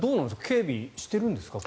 警備しているんですか？